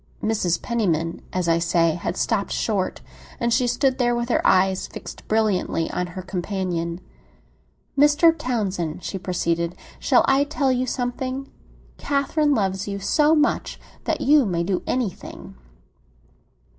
Mrs. Penniman, as I say, had stopped short; and she stood there with her eyes fixed brilliantly on her companion. "Mr. Townsend," she proceeded, "shall I tell you something? Catherine loves you so much that you may do anything."